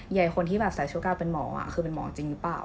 ใหญ่คนที่แบบใส่ชุดกาวเป็นหมอคือเป็นหมอจริงหรือเปล่า